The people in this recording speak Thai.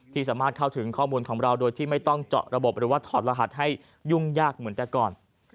ที่สามารถเข้าถึงข้อมูลของเราโดยที่ไม่ต้องเจาะระบบหรือว่าถอดรหัสให้ยุ่งยากเหมือนแต่ก่อน